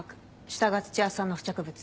下が土屋さんの付着物。